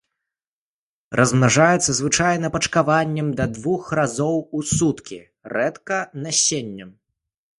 Размнажаецца звычайна пачкаваннем да двух разоў у суткі, рэдка насеннем.